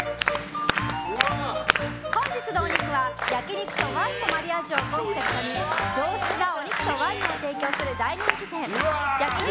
本日のお肉は、焼き肉とワインのマリアージュをコンセプトに上質なお肉とワインを提供する大人気店焼肉